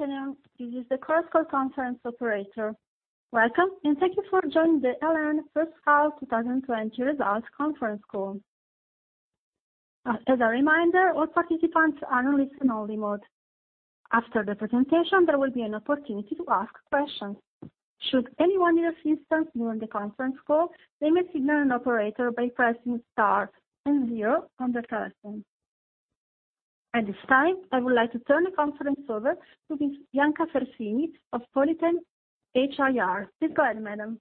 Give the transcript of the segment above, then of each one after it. Good afternoon. This is the cross-call conference operator. Welcome, and thank you for joining the El.En. first half 2020 results conference call. As a reminder, all participants are in listen only mode. After the presentation, there will be an opportunity to ask questions. Should anyone need assistance during the conference call, they may signal an operator by pressing star and zero on their telephone. At this time, I would like to turn the conference over to Miss Bianca Fersini of Polytems HIR. Please go ahead, madam.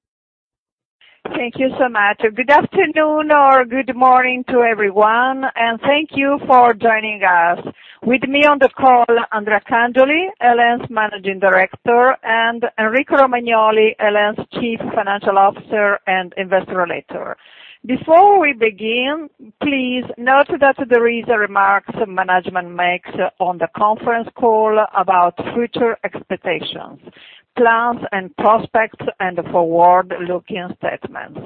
Thank you so much. Good afternoon or good morning to everyone, and thank you for joining us. With me on the call, Andrea Cangioli, EL.En.'s Managing Director, and Enrico Romagnoli, EL.En.'s Chief Financial Officer and Investor Relator. Before we begin, please note that the remarks management makes on the conference call about future expectations, plans and prospects and forward-looking statements.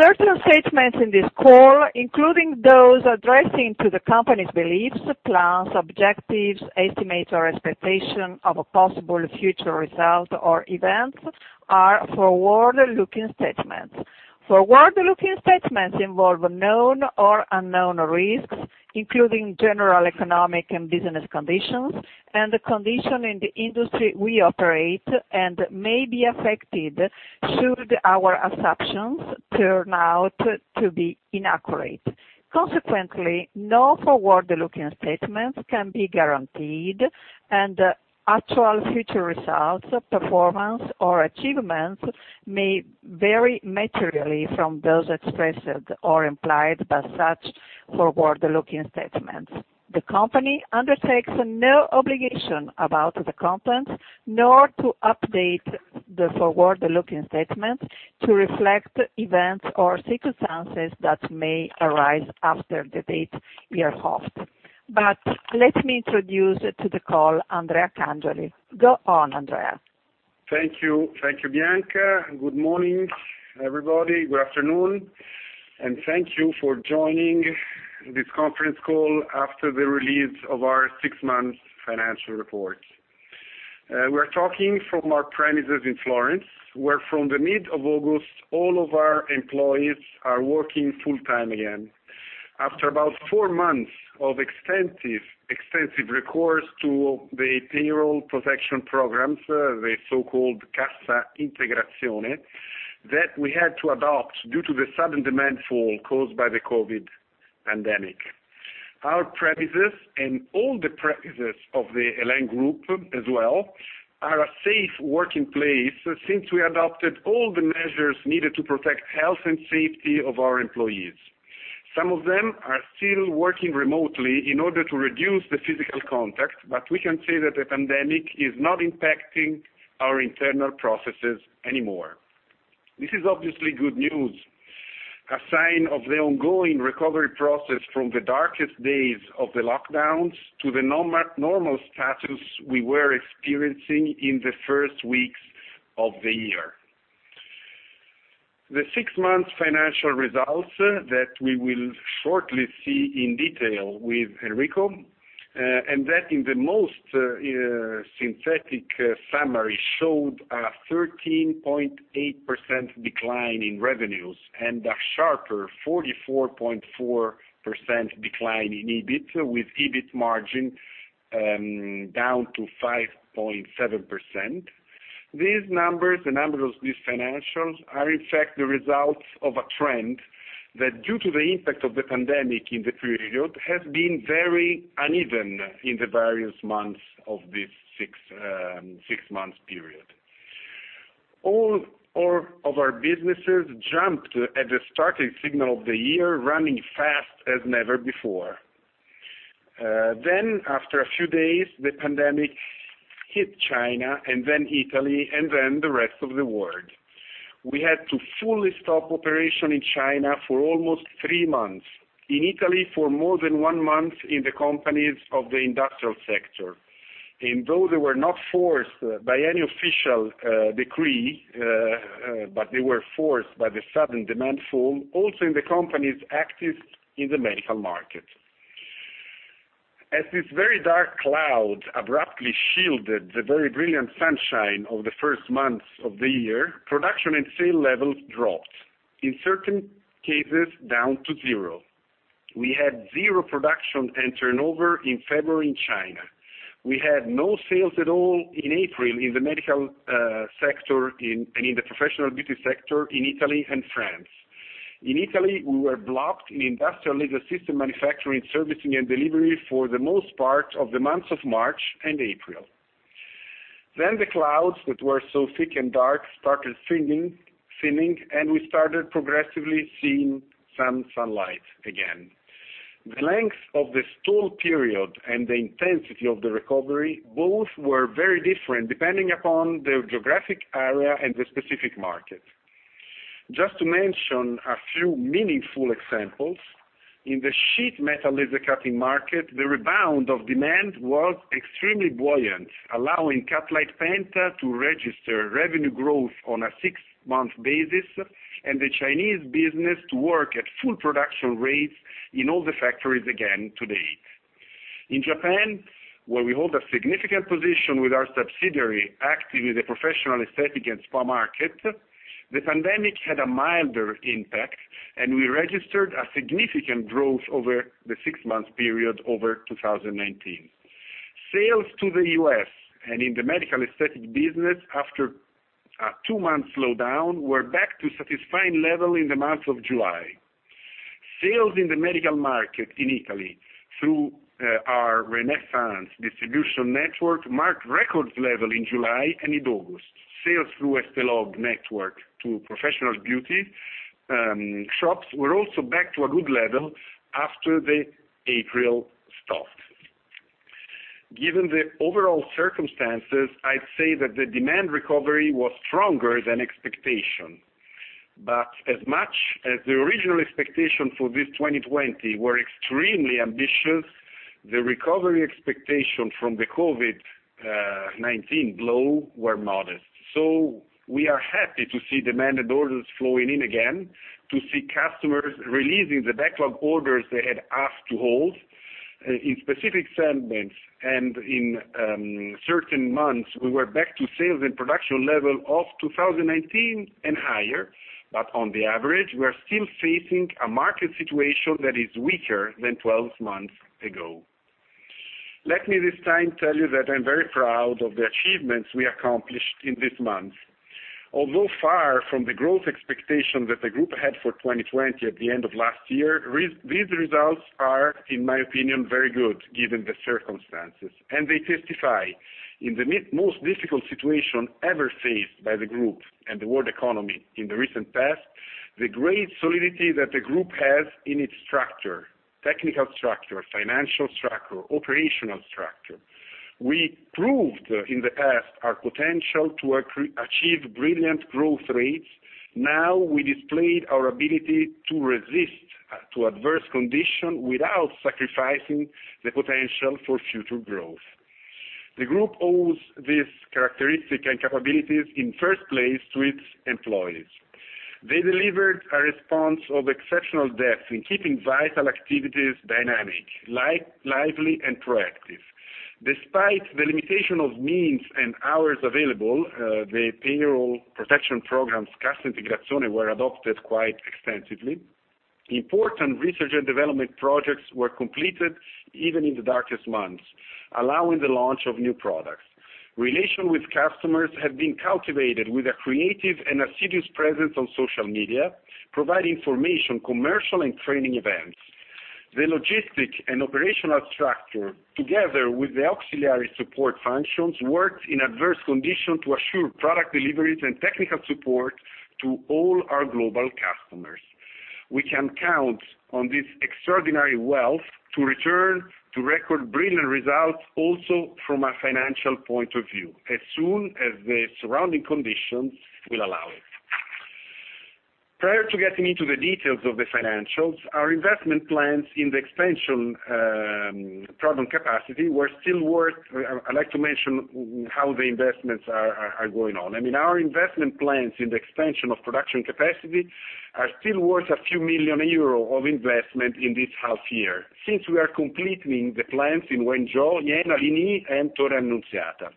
Certain statements in this call, including those addressing the company's beliefs, plans, objectives, estimates or expectation of possible future results or events are forward-looking statements. Forward-looking statements involve known or unknown risks, including general economic and business conditions, and the conditions in the industry we operate and may be affected should our assumptions turn out to be inaccurate. Consequently, no forward-looking statements can be guaranteed, and actual future results, performance, or achievements may vary materially from those expressed or implied by such forward-looking statements. The company undertakes no obligation about the content, nor to update the forward-looking statements to reflect events or circumstances that may arise after the date hereof. Let me introduce to the call Andrea Cangioli. Go on, Andrea. Thank you, Bianca. Good morning, everybody. Good afternoon, and thank you for joining this conference call after the release of our six-month financial report. We're talking from our premises in Florence, where from the mid of August, all of our employees are working full-time again. After about four months of extensive recourse to the payroll protection programs, the so-called Cassa Integrazione, that we had to adopt due to the sudden demand fall caused by the COVID pandemic. Our premises and all the premises of the El.En. Group as well, are a safe working place since we adopted all the measures needed to protect health and safety of our employees. Some of them are still working remotely in order to reduce the physical contact, but we can say that the pandemic is not impacting our internal processes anymore. This is obviously good news, a sign of the ongoing recovery process from the darkest days of the lockdowns to the normal status we were experiencing in the first weeks of the year. The six months financial results that we will shortly see in detail with Enrico, and that in the most synthetic summary showed a 13.8% decline in revenues and a sharper 44.4% decline in EBIT, with EBIT margin down to 5.7%. These numbers, the numbers of these financials, are in fact the results of a trend that due to the impact of the pandemic in the period, has been very uneven in the various months of this six-month period. All of our businesses jumped at the starting signal of the year, running fast as never before. After a few days, the pandemic hit China and then Italy and then the rest of the world. We had to fully stop operation in China for almost three months, in Italy for more than one month in the companies of the industrial sector. Though they were not forced by any official decree, but they were forced by the sudden demand fall, also in the companies active in the medical market. As this very dark cloud abruptly shielded the very brilliant sunshine of the first months of the year, production and sale levels dropped. In certain cases down to zero. We had zero production and turnover in February in China. We had no sales at all in April in the medical sector and in the professional beauty sector in Italy and France. In Italy, we were blocked in industrial laser system manufacturing, servicing, and delivery for the most part of the months of March and April. The clouds that were so thick and dark started thinning, and we started progressively seeing some sunlight again. The length of the stall period and the intensity of the recovery, both were very different depending upon the geographic area and the specific market. Just to mention a few meaningful examples. In the sheet metal laser cutting market, the rebound of demand was extremely buoyant, allowing Cutlite Penta to register revenue growth on a six-month basis, and the Chinese business to work at full production rates in all the factories again today. In Japan, where we hold a significant position with our subsidiary, active in the professional aesthetic and spa market, the pandemic had a milder impact, and we registered a significant growth over the six-month period over 2019. Sales to the U.S. and in the medical aesthetic business, after a two-month slowdown, were back to satisfying level in the month of July. Sales in the medical market in Italy, through our Renaissance distribution network, marked records level in July and in August. Sales through Esthelogue network to professional beauty shops were also back to a good level after the April stop. Given the overall circumstances, I'd say that the demand recovery was stronger than expectation. As much as the original expectation for this 2020 were extremely ambitious, the recovery expectation from the COVID-19 blow were modest. We are happy to see demand and orders flowing in again, to see customers releasing the backlog orders they had asked to hold. In specific segments and in certain months, we were back to sales and production level of 2019 and higher. On the average, we are still facing a market situation that is weaker than 12 months ago. Let me this time tell you that I'm very proud of the achievements we accomplished in this month. Although far from the growth expectation that the group had for 2020 at the end of last year, these results are, in my opinion, very good given the circumstances. They testify, in the most difficult situation ever faced by the group and the world economy in the recent past, the great solidity that the group has in its structure, technical structure, financial structure, operational structure. We proved in the past our potential to achieve brilliant growth rates. Now we displayed our ability to resist to adverse condition without sacrificing the potential for future growth. The group owes these characteristic and capabilities, in first place, to its employees. They delivered a response of exceptional depth in keeping vital activities dynamic, lively, and proactive. Despite the limitation of means and hours available, the payroll protection programs, Cassa Integrazione, were adopted quite extensively. Important research and development projects were completed even in the darkest months, allowing the launch of new products. Relation with customers have been cultivated with a creative and assiduous presence on social media, providing information, commercial and training events. The logistic and operational structure, together with the auxiliary support functions, worked in adverse condition to assure product deliveries and technical support to all our global customers. We can count on this extraordinary wealth to return to record brilliant results also from a financial point of view, as soon as the surrounding conditions will allow it. Prior to getting into the details of the financials, I'd like to mention how the investments are going on. Our investment plans in the expansion of production capacity are still worth a few million EUR of investment in this half year, since we are completing the plans in Wenzhou, Jena, Linyi, and Torre Annunziata.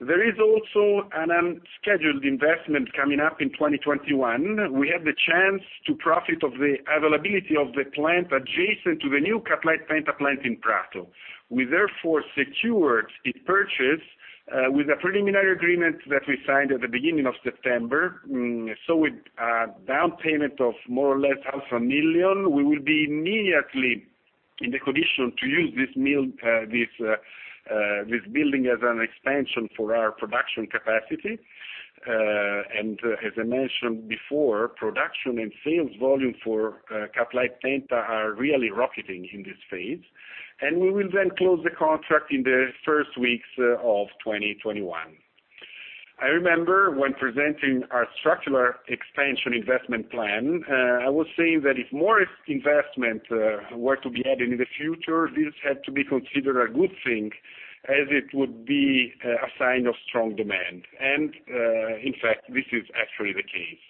There is also an unscheduled investment coming up in 2021. We have the chance to profit of the availability of the plant adjacent to the new Cutlite Penta plant in Prato. We therefore secured the purchase with a preliminary agreement that we signed at the beginning of September. With a down payment of more or less half a million EUR, we will be immediately in the condition to use this building as an expansion for our production capacity. As I mentioned before, production and sales volume for Cutlite Penta are really rocketing in this phase. We will then close the contract in the first weeks of 2021. I remember when presenting our structural expansion investment plan, I was saying that if more investment were to be added in the future, this had to be considered a good thing as it would be a sign of strong demand. In fact, this is actually the case.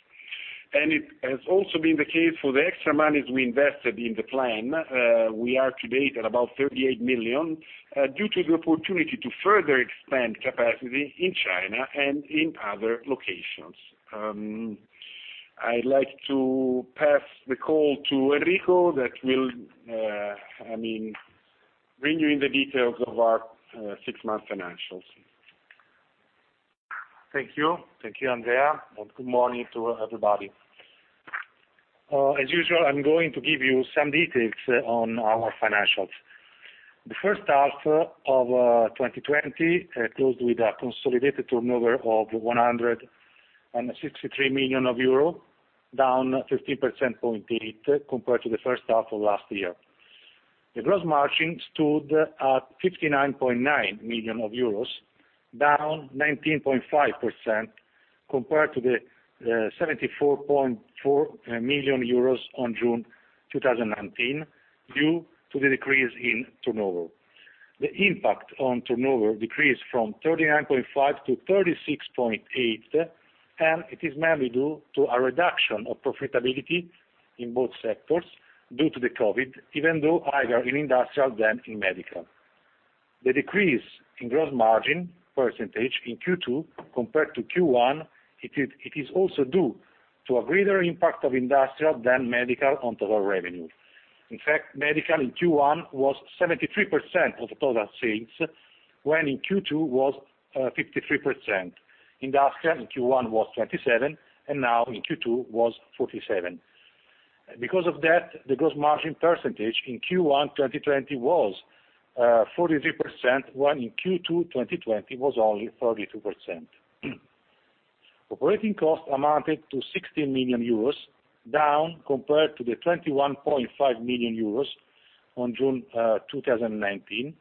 It has also been the case for the extra monies we invested in the plan. We are today at about 38 million, due to the opportunity to further expand capacity in China and in other locations. I'd like to pass the call to Enrico, that will bring you in the details of our six-month financials. Thank you. Thank you, Andrea, and good morning to everybody. As usual, I'm going to give you some details on our financials. The first half of 2020 closed with a consolidated turnover of 163 million euro, down 15.8% compared to the first half of last year. The gross margin stood at 59.9 million euros, down 19.5% compared to the 74.4 million euros on June 2019, due to the decrease in turnover. The impact on turnover decreased from 39.5% to 36.8%, it is mainly due to a reduction of profitability in both sectors due to the COVID, even though higher in Industrial than in Medical. The decrease in gross margin percentage in Q2 compared to Q1, it is also due to a greater impact of Industrial than Medical on total revenue. In fact, Medical in Q1 was 73% of total sales, when in Q2 was 53%. Industrial in Q1 was 27%, in Q2 was 47%. Because of that, the gross margin percentage in Q1 2020 was 43%, while in Q2 2020 was only 32%. Operating costs amounted to 16 million euros, down compared to the 21.5 million euros on June 2019.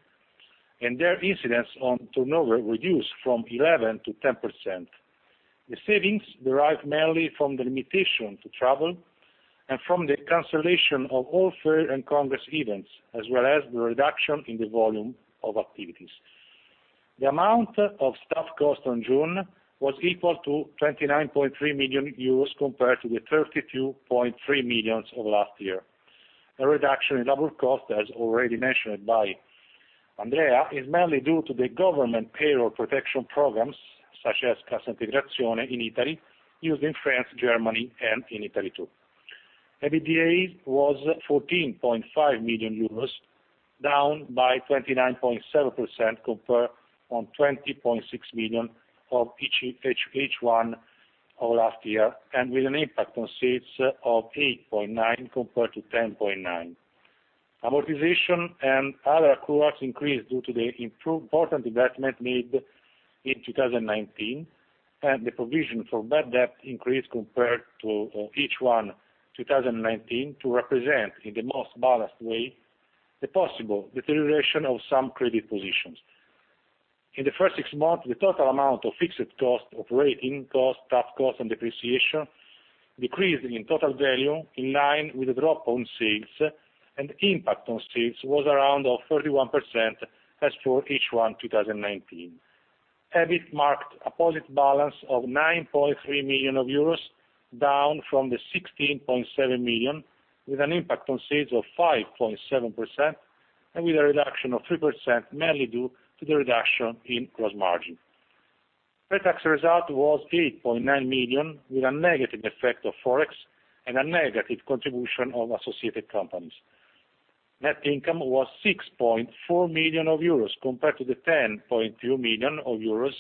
Their incidence on turnover reduced from 11% to 10%. The savings derive mainly from the limitation to travel and from the cancellation of all fair and congress events, as well as the reduction in the volume of activities. The amount of staff cost on June was equal to 29.3 million euros compared to the 32.3 million of last year. A reduction in labor cost, as already mentioned by Andrea, is mainly due to the government payroll protection programs such as Cassa Integrazione in Italy, used in France, Germany, and in Italy too. EBITDA was 14.5 million euros, down by 29.7% compared to 20.6 million of H1 of last year, with an impact on sales of 8.9% compared to 10.9%. Amortization and other accruals increased due to the important investment made in 2019, and the provision for bad debt increased compared to H1 2019 to represent, in the most balanced way, the possible deterioration of some credit positions. In the first six months, the total amount of fixed cost, operating cost, staff cost, and depreciation decreased in total value in line with the drop on sales and impact on sales was around 31% as for H1 2019. EBIT marked a positive balance of 9.3 million euros, down from 16.7 million, with an impact on sales of 5.7% and with a reduction of 3% mainly due to the reduction in gross margin. Pre-tax result was 8.9 million, with a negative effect of Forex and a negative contribution of associated companies. Net income was 6.4 million euros compared to the 10.2 million euros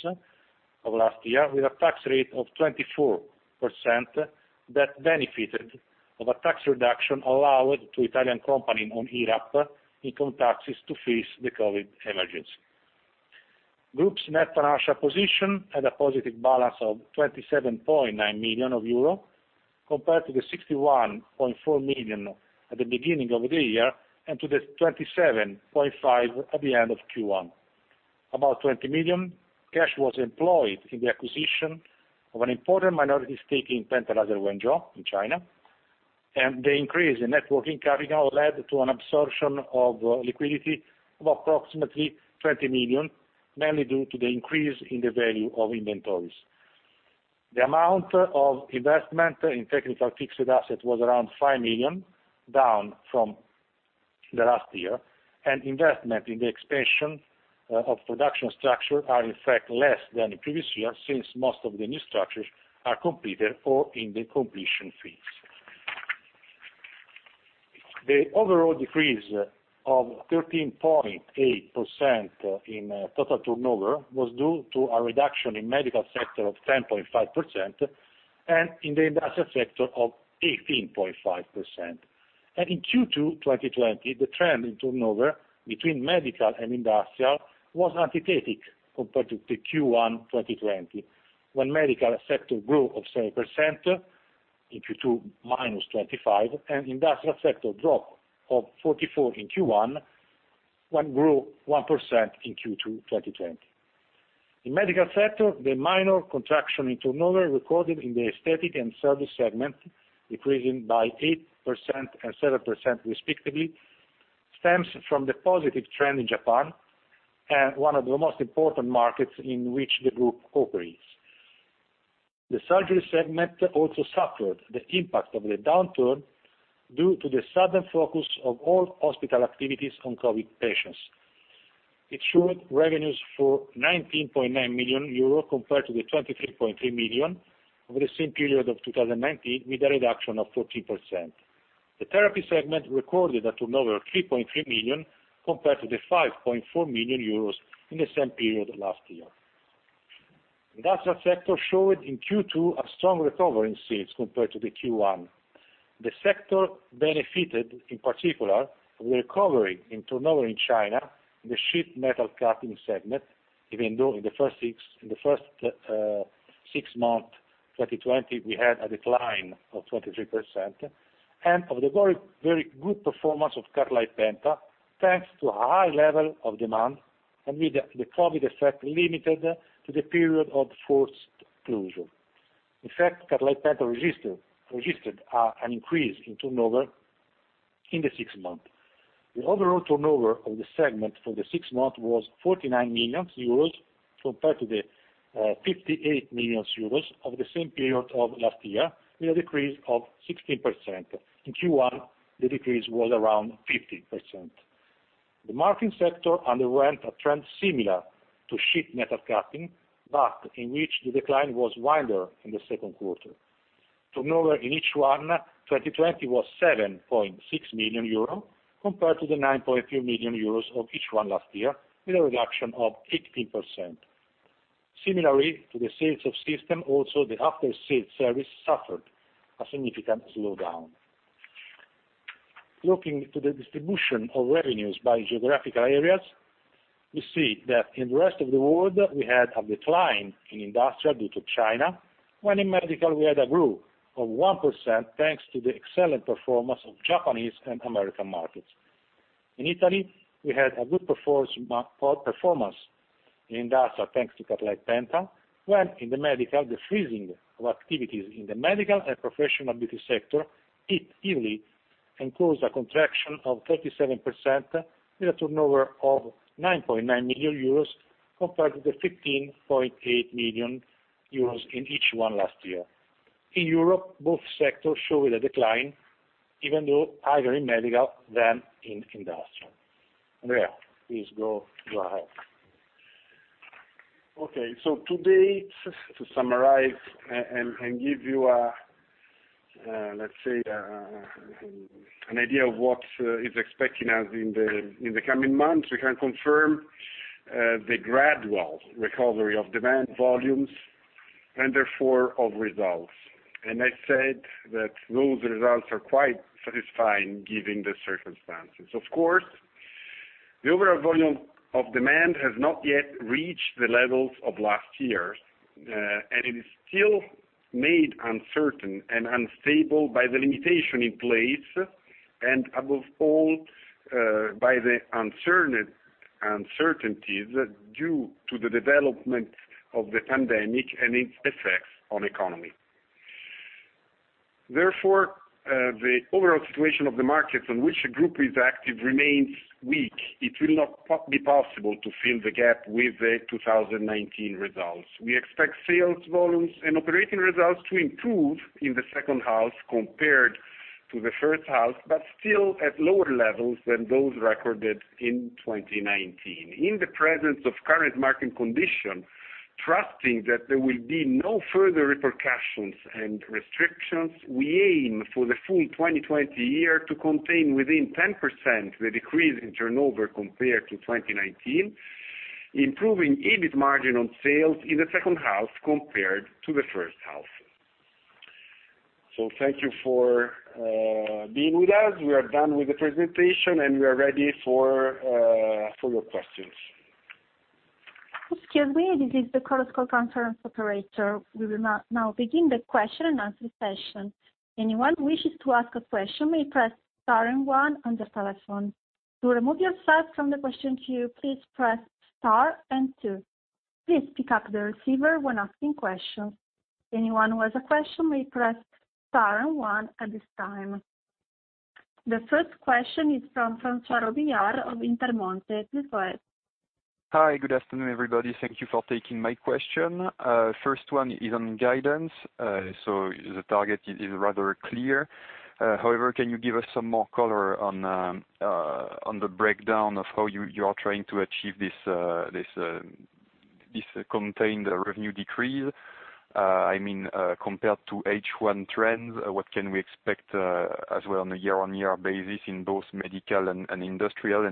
of last year, with a tax rate of 24% that benefited of a tax reduction allowed to Italian company on IRAP income taxes to face the COVID emergency. Group's net financial position had a positive balance of 27.9 million euro compared to the 61.4 million at the beginning of the year and to the 27.5 million at the end of Q1. About 20 million cash was employed in the acquisition of an important minority stake in Penta Laser Wenzhou in China, and the increase in net working capital led to an absorption of liquidity of approximately 20 million, mainly due to the increase in the value of inventories. The amount of investment in technical fixed asset was around 5 million, down from the last year, and investment in the expansion of production structure are in fact less than the previous year, since most of the new structures are completed or in the completion phase. The overall decrease of 13.8% in total turnover was due to a reduction in medical sector of 10.5% and in the industrial sector of 18.5%. In Q2 2020, the trend in turnover between medical and industrial was antithetic compared to the Q1 2020, when medical sector grew 7%, in Q2 -25%, and industrial sector dropped 44% in Q1 and grew 1% in Q2 2020. In medical sector, the minor contraction in turnover recorded in the aesthetic and service segment, decreasing by 8% and 7% respectively, stems from the positive trend in Japan, one of the most important markets in which the group operates. The surgery segment also suffered the impact of the downturn due to the sudden focus of all hospital activities on COVID patients. It showed revenues for 19.9 million euro compared to 23.3 million over the same period of 2019, with a reduction of 14%. The therapy segment recorded a turnover of 3.3 million compared to 5.4 million euros in the same period last year. Industrial sector showed in Q2 a strong recovery in sales compared to the Q1. The sector benefited, in particular, from the recovery in turnover in China, in the sheet metal cutting segment, even though in the first six month 2020, we had a decline of 23%, and of the very good performance of Cutlite Penta, thanks to a high level of demand and with the COVID effect limited to the period of forced closure. In fact, Cutlite Penta registered an increase in turnover in the six months. The overall turnover of the segment for the six months was €49 million compared to the €58 million of the same period of last year, with a decrease of 16%. In Q1, the decrease was around 15%. The marking sector underwent a trend similar to sheet metal cutting, but in which the decline was wider in the second quarter. Turnover in H1 2020 was €7.6 million, compared to the €9.2 million of H1 last year, with a reduction of 18%. Similarly to the sales of system, also the after-sales service suffered a significant slowdown. Looking to the distribution of revenues by geographical areas, we see that in the rest of the world, we had a decline in industrial due to China, when in medical we had a growth of 1%, thanks to the excellent performance of Japanese and American markets. In Italy, we had a good performance in industrial, thanks to Cutlite Penta, while in medical, the freezing of activities in the medical and professional beauty sector hit Italy and caused a contraction of 37%, with a turnover of €9.9 million compared to the €15.8 million in H1 last year. In Europe, both sectors showed a decline, even though higher in medical than in industrial. Andrea, please go ahead. Today, to summarize and give you, let's say, an idea of what is expecting us in the coming months. We can confirm the gradual recovery of demand volumes and therefore of results. I said that those results are quite satisfying given the circumstances. Of course, the overall volume of demand has not yet reached the levels of last year, and it is still made uncertain and unstable by the limitation in place, and above all, by the uncertainties due to the development of the pandemic and its effects on the economy. Therefore, the overall situation of the markets in which the group is active remains weak. It will not be possible to fill the gap with the 2019 results. We expect sales volumes and operating results to improve in the second half compared to the first half, but still at lower levels than those recorded in 2019. In the presence of current market conditions, trusting that there will be no further repercussions and restrictions, we aim for the full 2020 year to contain within 10% the decrease in turnover compared to 2019, improving EBIT margin on sales in the second half compared to the first half. Thank you for being with us. We are done with the presentation, and we are ready for your questions. The first question is from Francois Robillard of Intermonte. Please go ahead. Hi. Good afternoon, everybody. Thank you for taking my question. First one is on guidance. The target is rather clear. However, can you give us some more color on the breakdown of how you are trying to achieve this contained revenue decrease? I mean, compared to H1 trends, what can we expect as well on a year-on-year basis in both medical and industrial,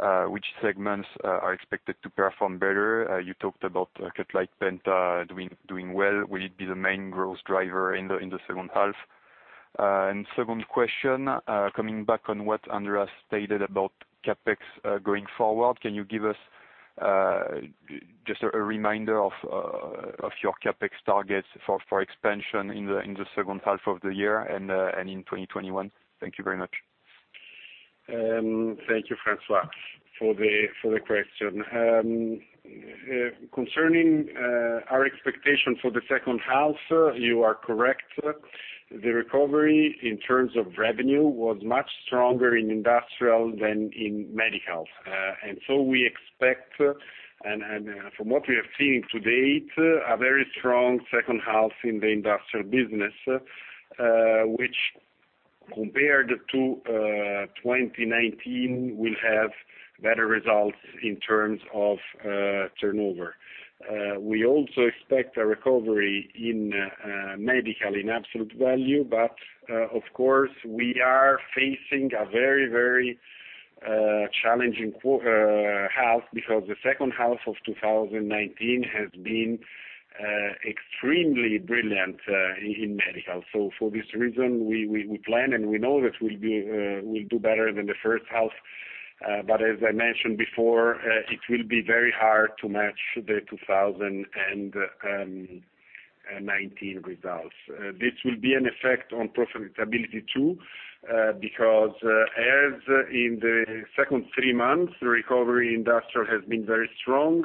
and which segments are expected to perform better? You talked about Cutlite Penta doing well. Will it be the main growth driver in the second half? Second question, coming back on what Andrea stated about CapEx going forward, can you give us just a reminder of your CapEx targets for expansion in the second half of the year and in 2021? Thank you very much. Thank you, Francois, for the question. Concerning our expectation for the second half, you are correct. The recovery in terms of revenue was much stronger in industrial than in medical. We expect, and from what we have seen to date, a very strong second half in the industrial business, which, compared to 2019, will have better results in terms of turnover. We also expect a recovery in medical in absolute value, but of course, we are facing a very challenging half because the second half of 2019 has been extremely brilliant in medical. For this reason, we plan and we know that we'll do better than the first half, but as I mentioned before, it will be very hard to match the 2019 results. This will be an effect on profitability too, because as in the second three months, the recovery industrial has been very strong.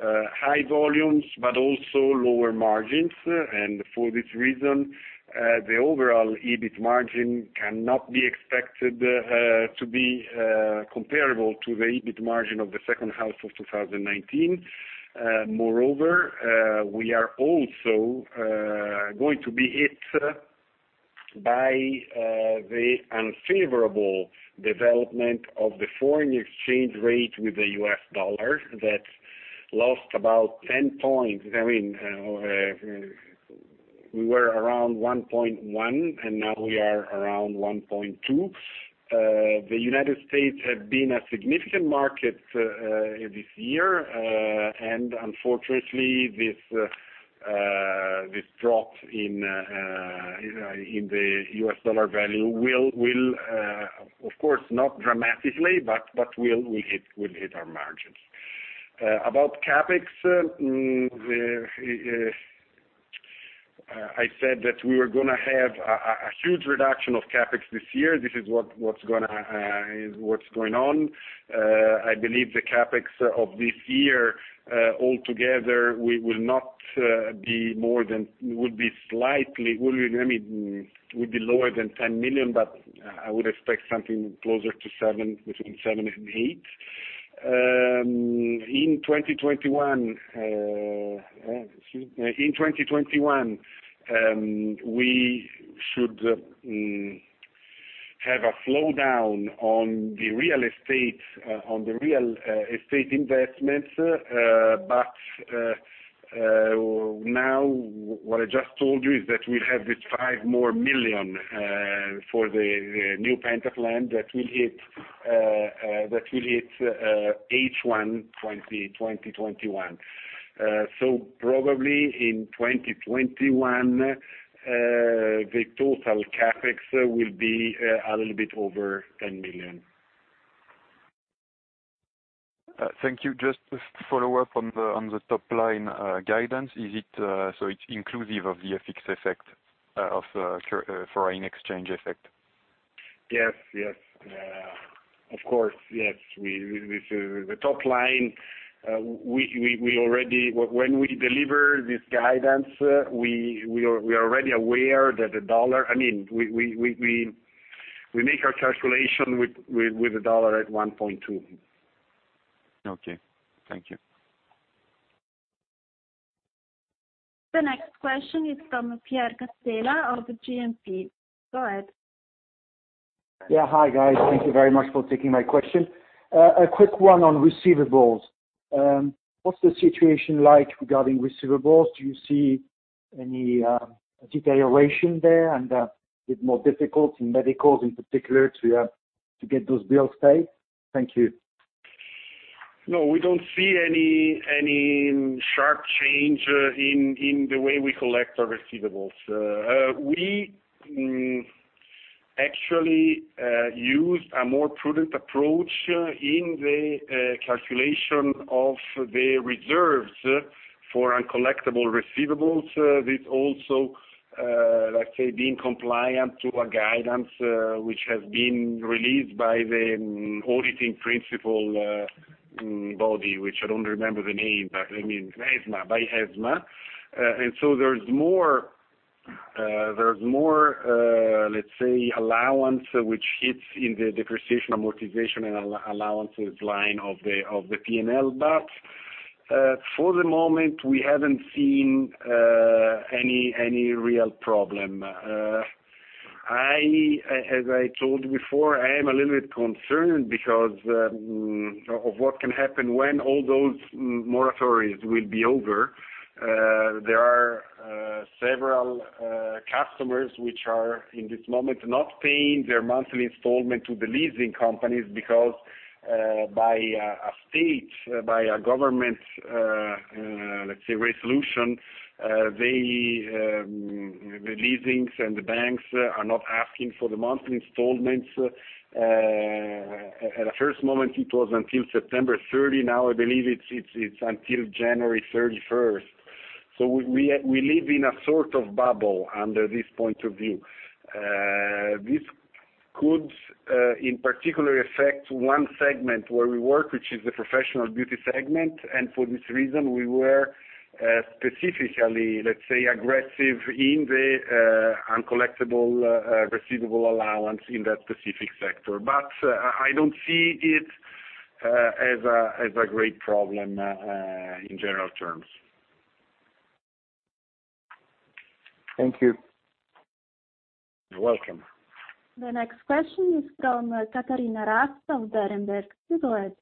High volumes, also lower margins. For this reason, the overall EBIT margin cannot be expected to be comparable to the EBIT margin of the second half of 2019. Moreover, we are also going to be hit by the unfavorable development of the foreign exchange rate with the US dollar, that lost about 10 points. We were around 1.1, now we are around 1.2. The U.S. have been a significant market this year, unfortunately, this drop in the US dollar value will, of course, not dramatically, will hit our margins. About CapEx, I said that we were going to have a huge reduction of CapEx this year. This is what's going on. I believe the CapEx of this year, altogether, will be lower than 10 million, I would expect something closer to between 7 million and 8 million. In 2021, we should have a slowdown on the real estate investments. Now, what I just told you is that we'll have this 5 more million for the new Penta plant that will hit H1 2021. Probably in 2021, the total CapEx will be a little bit over 10 million. Thank you. Just to follow up on the top line guidance. It's inclusive of the FX effect, of foreign exchange effect? Yes. Of course, yes. The top line, when we deliver this guidance, we make our calculation with the dollar at 1.2. Okay. Thank you. The next question is from Pierre Castella of GNP. Go ahead. Yeah. Hi, guys. Thank you very much for taking my question. A quick one on receivables. What's the situation like regarding receivables? Do you see any deterioration there and a bit more difficult in medicals, in particular, to get those bills paid? Thank you. No, we don't see any sharp change in the way we collect our receivables. We actually used a more prudent approach in the calculation of the reserves for uncollectible receivables. This also, let's say, being compliant to a guidance, which has been released by the auditing principle body, which I don't remember the name, but ESMA. By ESMA. There's more, let's say, allowance which hits in the depreciation, amortization, and allowances line of the P&L. For the moment, we haven't seen any real problem. As I told you before, I am a little bit concerned because of what can happen when all those moratories will be over. There are several customers which are, in this moment, not paying their monthly installment to the leasing companies because by a state, by a government, let's say, resolution, the leasings and the banks are not asking for the monthly installments. At first moment, it was until September 30. I believe it's until January 31st. We live in a sort of bubble under this point of view. This could, in particular, affect one segment where we work, which is the professional beauty segment. For this reason, we were specifically, let's say, aggressive in the uncollectible receivable allowance in that specific sector. I don't see it as a great problem in general terms. Thank you. You're welcome. The next question is from Katharina Raatz of Berenberg. Please go ahead.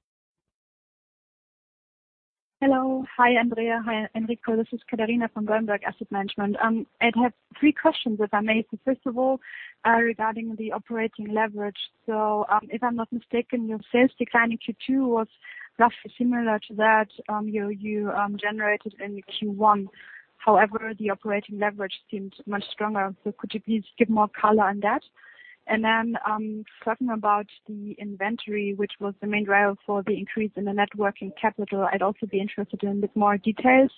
Hello. Hi, Andrea. Hi, Enrico. This is Katharina from Berenberg Asset Management. I have three questions, if I may. First of all, regarding the operating leverage. If I'm not mistaken, your sales decline in Q2 was roughly similar to that you generated in Q1. However, the operating leverage seemed much stronger. Could you please give more color on that? Talking about the inventory, which was the main driver for the increase in the net working capital, I'd also be interested in a bit more details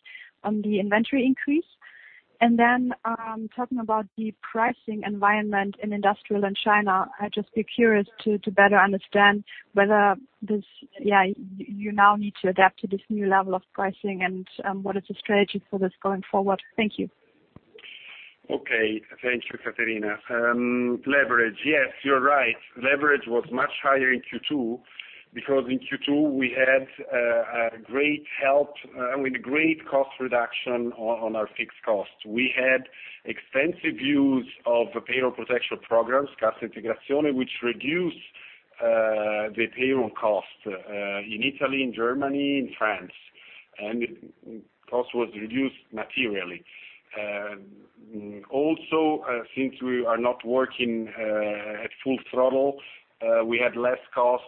on the inventory increase. Talking about the pricing environment in industrial and China, I'd just be curious to better understand whether you now need to adapt to this new level of pricing, and what is the strategy for this going forward? Thank you. Okay. Thank you, Katharina. Leverage. Yes, you're right. Leverage was much higher in Q2, because in Q2, we had a great cost reduction on our fixed costs. We had extensive use of payroll protection programs, Cassa Integrazione, which reduced the payroll cost, in Italy, in Germany, in France. Cost was reduced materially. Also, since we are not working at full throttle, we had less cost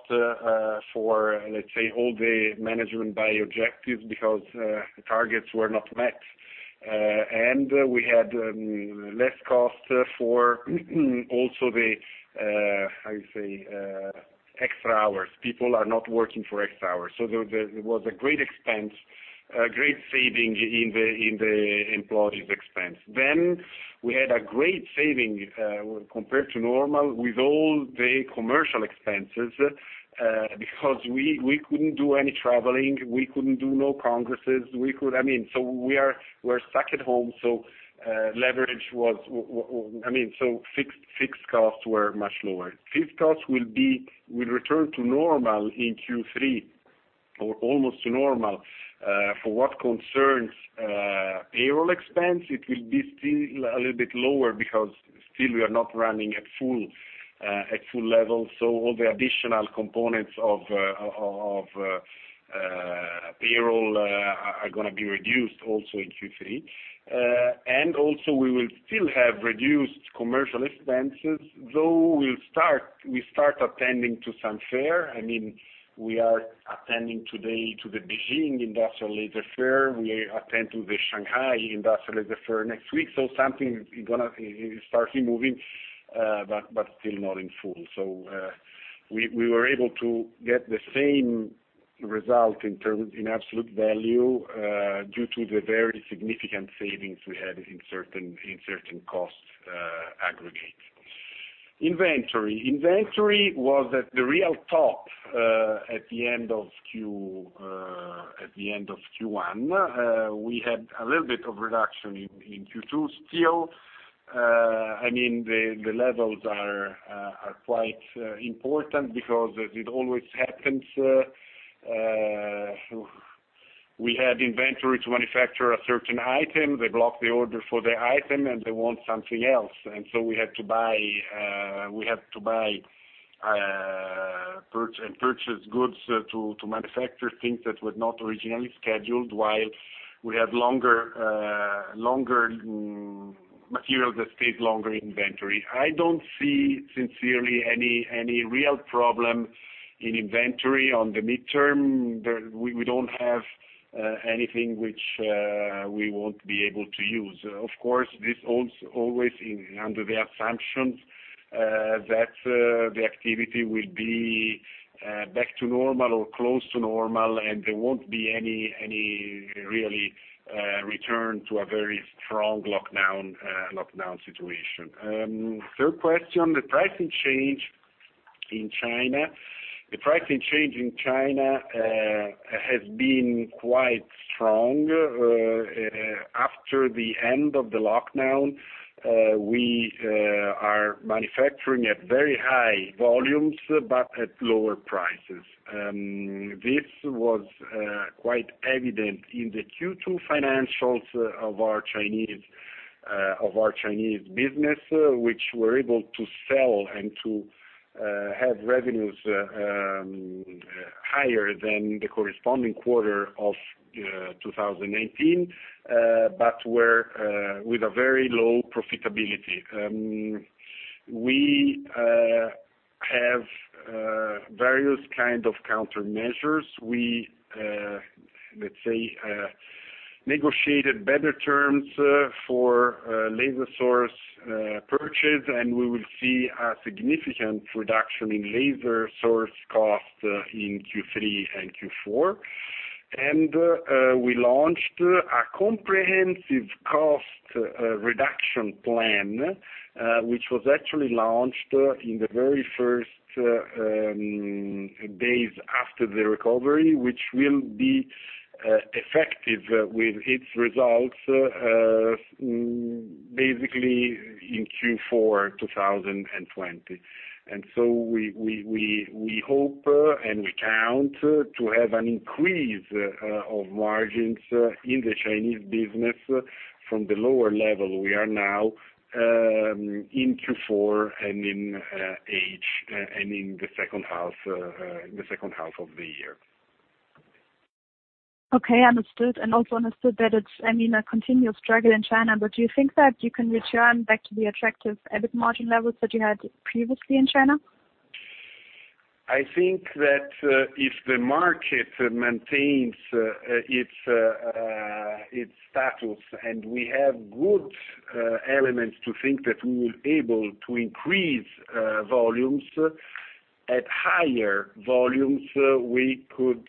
for, let's say, all the management by objectives, because, the targets were not met. We had less cost for, also the extra hours. People are not working for extra hours. There was a great saving in the employees' expense. We had a great saving, compared to normal with all the commercial expenses, because we couldn't do any traveling, we couldn't do congresses. We're stuck at home, so fixed costs were much lower. Fixed costs will return to normal in Q3, or almost to normal. For what concerns payroll expense, it will be still a little bit lower because still we are not running at full level, all the additional components of payroll are going to be reduced also in Q3. Also, we will still have reduced commercial expenses, though we start attending to some fair. We are attending today to the Beijing Industrial Laser Fair. We attend to the Shanghai Industrial Laser Fair next week. Something is going to start moving, but still not in full. We were able to get the same result in absolute value, due to the very significant savings we had in certain cost aggregates. Inventory. Inventory was at the real top, at the end of Q1. We had a little bit of reduction in Q2. Still, the levels are quite important because, as it always happens, we had inventory to manufacture a certain item. They block the order for the item, and they want something else. So we have to purchase goods to manufacture things that were not originally scheduled, while we have materials that stayed longer in inventory. I don't see, sincerely, any real problem in inventory on the midterm. We don't have anything which we won't be able to use. Of course, this always under the assumption that the activity will be back to normal or close to normal, and there won't be any really return to a very strong lockdown situation. Third question, the pricing change in China. The pricing change in China has been quite strong. After the end of the lockdown, we are manufacturing at very high volumes, but at lower prices. This was quite evident in the Q2 financials of our Chinese business, which were able to sell and to have revenues higher than the corresponding quarter of 2018, but with a very low profitability. We have various kind of countermeasures. We negotiated better terms for laser source purchase. We will see a significant reduction in laser source cost in Q3 and Q4. We launched a comprehensive cost reduction plan, which was actually launched in the very first days after the recovery, which will be effective with its results basically in Q4 2020. We hope, and we count, to have an increase of margins in the Chinese business from the lower level we are now, in Q4 and in the second half of the year. Okay. Understood. Also understood that it's a continuous struggle in China, but do you think that you can return back to the attractive EBIT margin levels that you had previously in China? I think that, if the market maintains its status, and we have good elements to think that we will be able to increase volumes, at higher volumes, we could,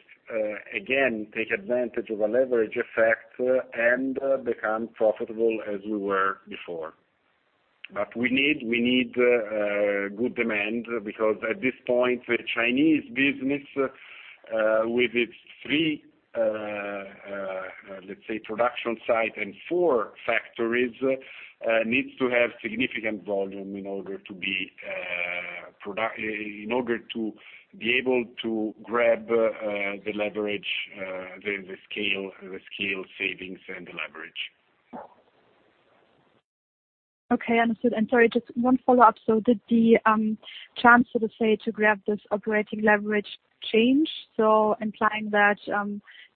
again, take advantage of a leverage effect and become profitable as we were before. We need good demand, because at this point, the Chinese business, with its three, let's say, production site and four factories, needs to have significant volume in order to be able to grab the scale savings, and the leverage. Okay, understood. Sorry, just one follow-up. Did the chance, so to say, to grab this operating leverage change? Implying that,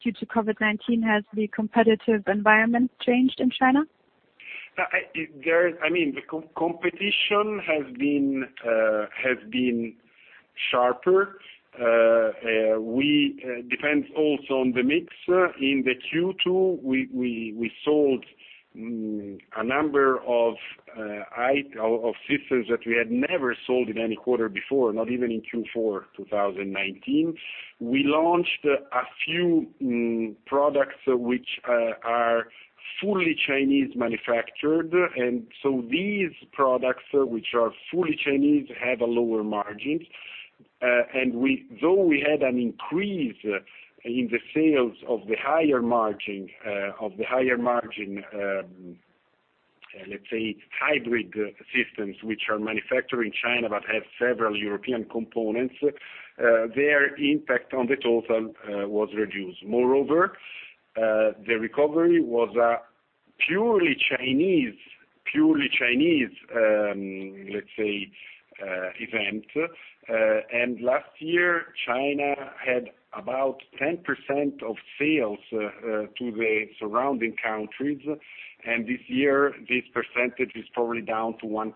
due to COVID-19, has the competitive environment changed in China? The competition has been sharper. It depends also on the mix. In the Q2, we sold a number of systems that we had never sold in any quarter before, not even in Q4 2019. We launched a few products which are fully Chinese manufactured, these products, which are fully Chinese, have a lower margin. Though we had an increase in the sales of the higher margin, let's say, hybrid systems, which are manufactured in China but have several European components, their impact on the total was reduced. Moreover, the recovery was a purely Chinese, let's say, event. Last year, China had about 10% of sales to the surrounding countries, and this year, this percentage is probably down to 1%,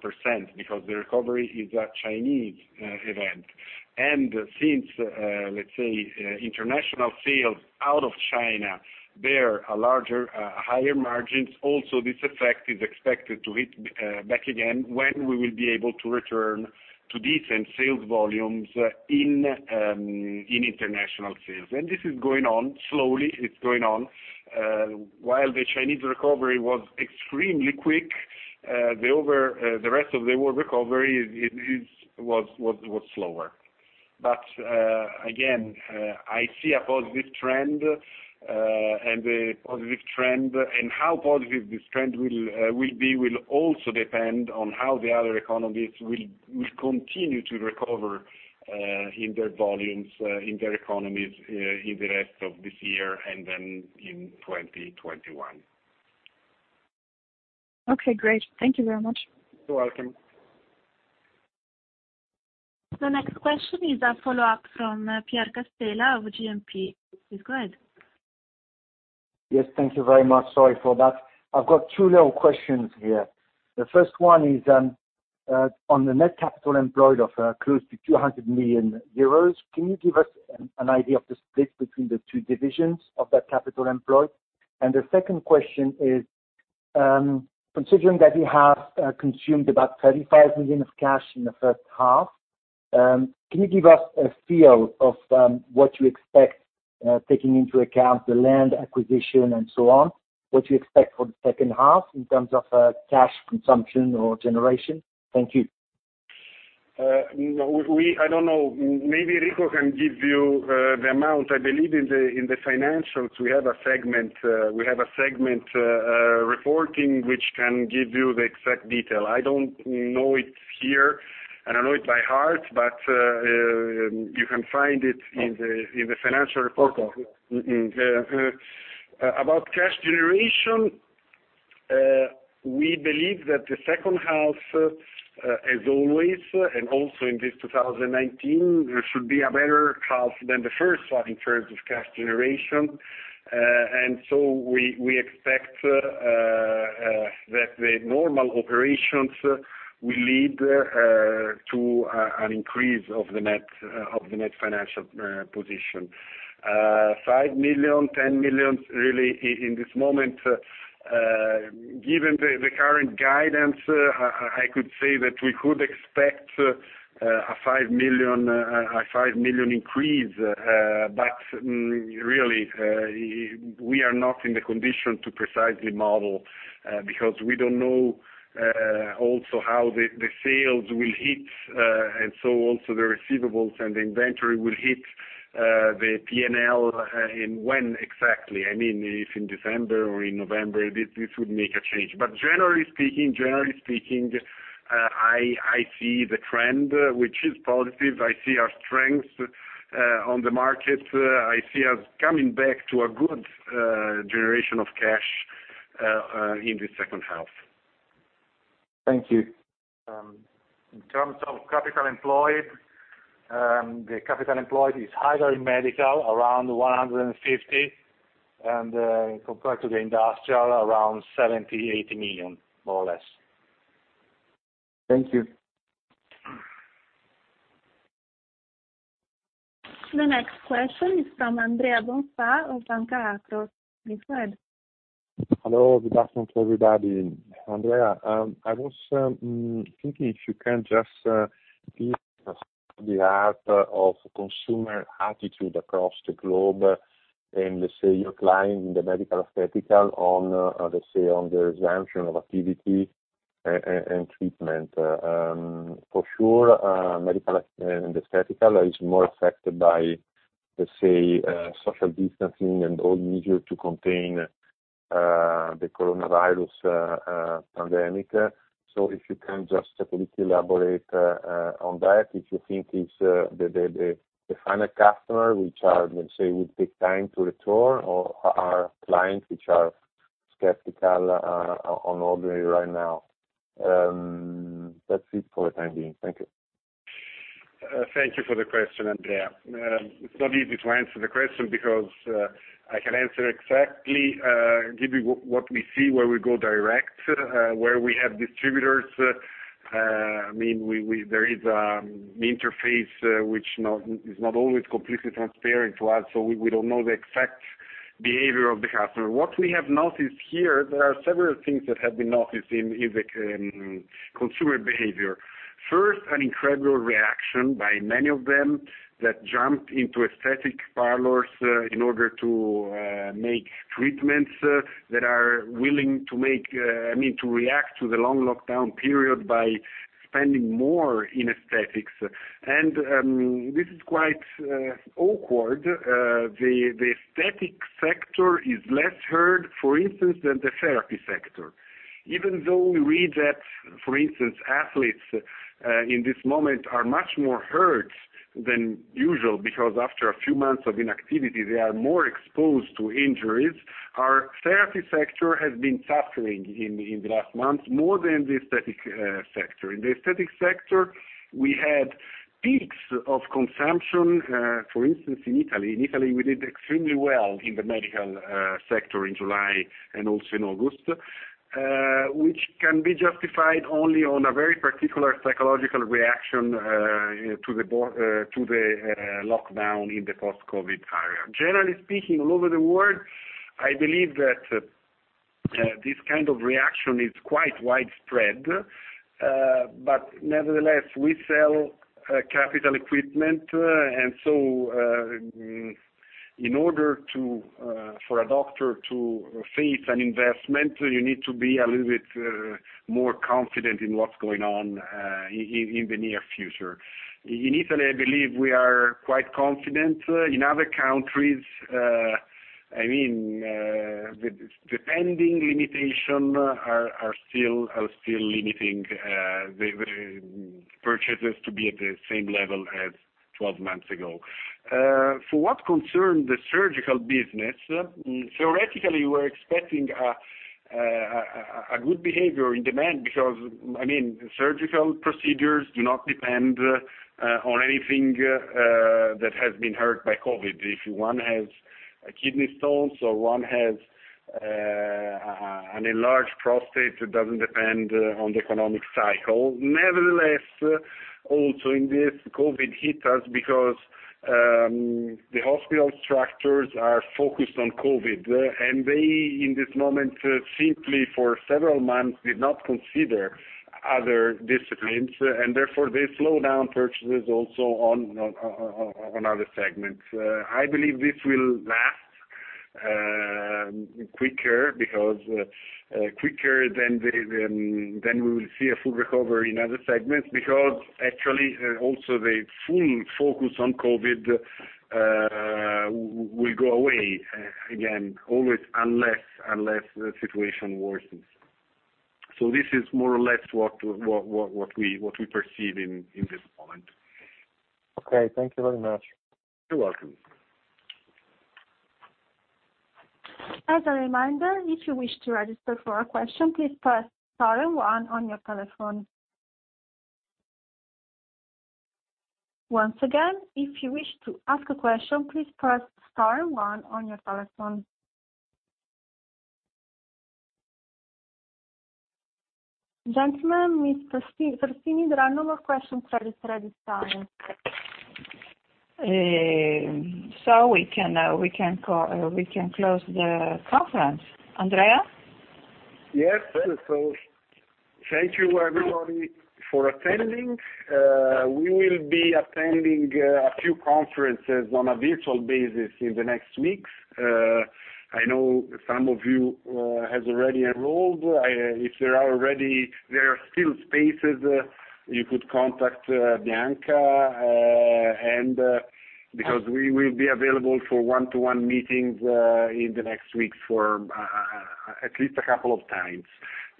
because the recovery is a Chinese event. Since, let's say, international sales out of China, they are higher margins, also, this effect is expected to hit back again, when we will be able to return to decent sales volumes in international sales. This is going on. Slowly, it's going on. While the Chinese recovery was extremely quick, the rest of the world recovery was slower. Again, I see a positive trend, and how positive this trend will be, will also depend on how the other economies will continue to recover in their volumes, in their economies, in the rest of this year, and then in 2021. Okay, great. Thank you very much. You're welcome. The next question is a follow-up from Pierre Castella of GNP. Please go ahead. Yes, thank you very much. Sorry for that. I've got two little questions here. The first one is, on the net capital employed of close to 200 million euros, can you give us an idea of the split between the two divisions of that capital employed? The second question is, considering that you have consumed about 35 million of cash in the first half, can you give us a feel of what you expect, taking into account the land acquisition and so on, what you expect for the second half in terms of cash consumption or generation? Thank you. I don't know. Maybe Enrico can give you the amount. I believe in the financials, we have a segment reporting, which can give you the exact detail. I don't know it here, and I know it by heart, but you can find it in the financial report. Okay. About cash generation, we believe that the second half, as always, and also in this 2019, should be a better half than the first one in terms of cash generation. We expect that the normal operations will lead to an increase of the net financial position. 5 million, 10 million, really, in this moment, given the current guidance, I could say that we could expect a 5 million increase. Really, we are not in the condition to precisely model, because we don't know also how the sales will hit, and so also the receivables and the inventory will hit the P&L, and when exactly. If in December or in November, this would make a change. Generally speaking, I see the trend, which is positive. I see our strength on the market. I see us coming back to a good generation of cash in the second half. Thank you. In terms of capital employed, the capital employed is higher in medical, around 150 million, and compared to the industrial, around 70 million-80 million, more or less. Thank you. The next question is from Andrea Bonfà of Banca Akros. Please go ahead. Hello. Good afternoon to everybody. Andrea, I was thinking if you can just give us the heart of consumer attitude across the globe, and let's say your client in the medical aesthetic on, let's say, on the resumption of activity and treatment. For sure, medical and aesthetic is more affected by, let's say, social distancing and all measures to contain the coronavirus pandemic. If you can just a little elaborate on that, if you think it's the final customer, which I would say, would take time to return or our clients, which are skeptical on ordering right now. That's it for the time being. Thank you. Thank you for the question, Andrea. It's not easy to answer the question because I can answer exactly, give you what we see, where we go direct, where we have distributors. There is an interface which is not always completely transparent to us. We don't know the exact behavior of the customer. What we have noticed here, there are several things that have been noticed in the consumer behavior. First, an incredible reaction by many of them that jumped into aesthetic parlors in order to make treatments, that are willing to react to the long lockdown period by spending more in aesthetics. This is quite awkward. The aesthetic sector is less hurt, for instance, than the therapy sector. Even though we read that, for instance, athletes in this moment are much more hurt than usual because after a few months of inactivity, they are more exposed to injuries. Our therapy sector has been suffering in the last month more than the aesthetic sector. In the aesthetic sector, we had peaks of consumption, for instance, in Italy. In Italy, we did extremely well in the medical sector in July and also in August, which can be justified only on a very particular psychological reaction to the lockdown in the post-COVID period. Generally speaking, all over the world, I believe that this kind of reaction is quite widespread. But nevertheless, we sell capital equipment, and so in order for a doctor to face an investment, you need to be a little bit more confident in what's going on in the near future. In Italy, I believe we are quite confident. In other countries, the pending limitation are still limiting the purchases to be at the same level as 12 months ago. For what concern the surgical business, theoretically, we're expecting a good behavior in demand because surgical procedures do not depend on anything that has been hurt by COVID. If one has kidney stones or one has an enlarged prostate, it doesn't depend on the economic cycle. Nevertheless, also in this, COVID hit us because the hospital structures are focused on COVID, and they, in this moment, simply for several months, did not consider other disciplines, and therefore they slow down purchases also on other segments. I believe this will last quicker than we will see a full recovery in other segments, because actually, also the full focus on COVID will go away again, always unless the situation worsens. This is more or less what we perceive in this point. Okay. Thank you very much. You're welcome. Gentlemen, Mr. Fersini, there are no more questions registered at this time. We can close the conference. Andrea? Yes. Thank you, everybody, for attending. We will be attending a few conferences on a virtual basis in the next weeks. I know some of you have already enrolled. If there are still spaces, you could contact Bianca, because we will be available for one-to-one meetings in the next weeks for at least a couple of times.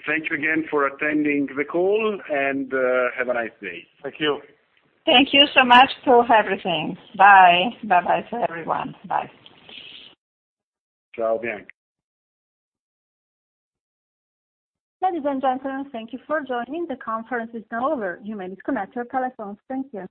Thanks again for attending the call, and have a nice day. Thank you. Thank you so much for everything. Bye. Bye-bye to everyone. Bye. Ciao, Bianca. Ladies and gentlemen, thank you for joining. The conference is now over. You may disconnect your telephones. Thank you.